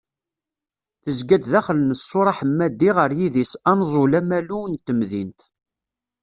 Tezga-d daxel n ssur aḥemmadi ɣer yidis Anẓul-Amalu n temdint.